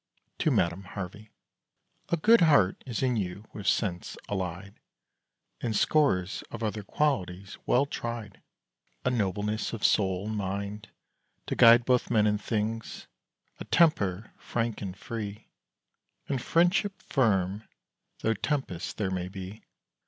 TO MADAME HARVEY. A good heart is in you with sense allied, And scores of other qualities, well tried; A nobleness of soul and mind, to guide Both men and things; a temper frank and free. In friendship firm, though tempests there may be.